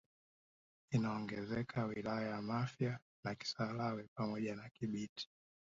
Inaongezeka wilaya ya Mafia na Kisarawe pamoja na Kibiti